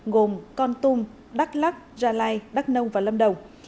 gồm con tum đắk lắc gia lai đắk nông và lâm đồng